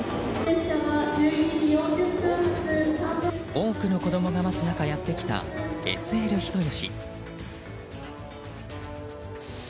多くの子供が待つ中やってきたＳＬ人吉。